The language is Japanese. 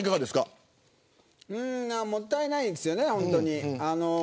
もったいないですよね。